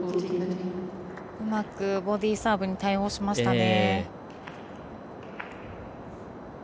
うまくボディーサーブに対応しましたね。